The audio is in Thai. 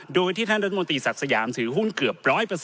โดยที่ท่านรัฐมนตรีศักดิ์สยามถือหุ้นเกือบ๑๐๐